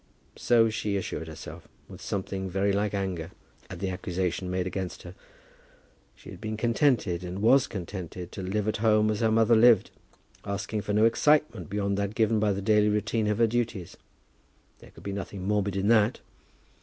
So she assured herself, with something very like anger at the accusation made against her. She had been contented, and was contented, to live at home as her mother lived, asking for no excitement beyond that given by the daily routine of her duties. There could be nothing morbid in that.